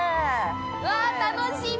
◆うわ、楽しみ。